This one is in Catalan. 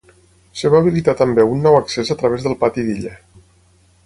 Es va habilitar també un nou accés a través del pati d'illa.